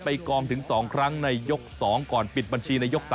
กองถึง๒ครั้งในยก๒ก่อนปิดบัญชีในยก๓